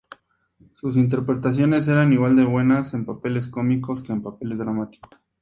Sus interpretaciones eran igual de buenas en papeles cómicos que en papeles dramáticos.